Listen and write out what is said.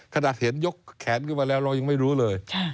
ขนาดเห็นยกแขนขึ้นมาแล้วเรายังไม่รู้เลย